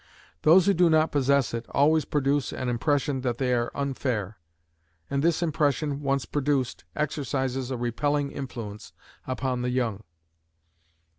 Those who do not possess it always produce an impression that they are unfair; and this impression, once produced, exercises a repelling influence upon the young.